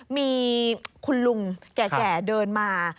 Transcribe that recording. มีคุณลุงแก่เดินมา